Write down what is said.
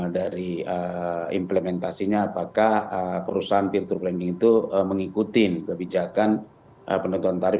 dari implementasinya apakah perusahaan peer to planning itu mengikuti kebijakan penentuan tarif